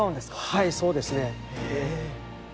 はいそうですね。へえ。